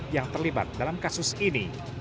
yang terlibat dalam kasus ini